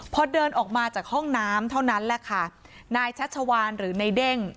พอเดินออกมาจากห้องน้ำเท่านั้นแหละค่ะนายชัชวานหรือในเด้ง